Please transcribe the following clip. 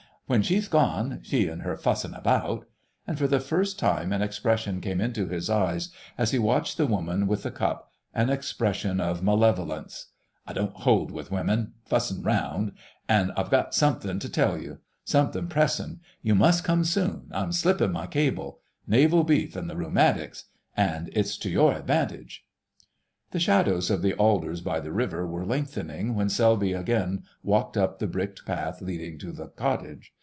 When she's gone—she an' her fussin' about," and for the first time an expression came into his eyes, as he watched the woman with the cup, an expression of malevolence. "I don't hold with women ... fussin' round. An' I've got something to tell you: something pressin'. You must come soon; I'm slippin' my cable.... Navy beef an' the rheumatics—an' it's to your advantage...." The shadows of the alders by the river were lengthening when Selby again walked up the bricked path leading to the cottage.